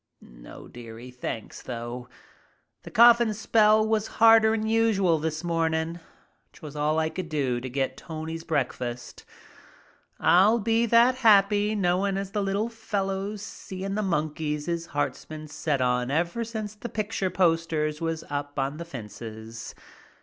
"No, dearie, thanks though. The coughin' spell was harder'n usual this mornin'. 'Twas all as I could do to get Tony's breakfast. I'll be that happy knowin' as the little fellow's seein' the monkeys his heart's been set on ever since the picture posters was up on the fences."